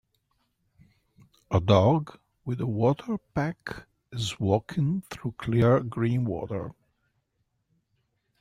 A dog with a water pack is walking through clear green water.